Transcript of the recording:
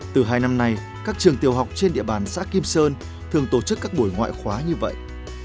từ hai năm nay các trường tiểu học trên địa bàn xã kim sơn thường tổ chức các buổi ngoại khóa như vậy